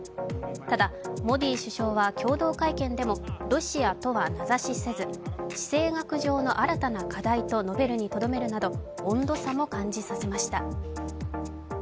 ただ、モディ首相は共同会見でも「ロシア」とは名指しせず地政学上の新たな課題と述べるにとどまるなど、温度差も感じさせました。